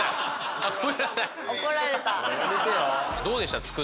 どうでした？